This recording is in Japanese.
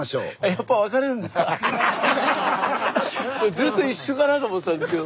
ずっと一緒かなと思ってたんですけど。